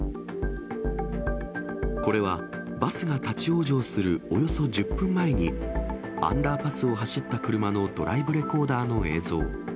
これはバスが立往生するおよそ１０分前に、アンダーパスを走った車のドライブレコーダーの映像。